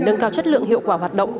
nâng cao chất lượng hiệu quả hoạt động